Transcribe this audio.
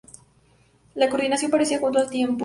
La coordinación parecía justo a tiempo.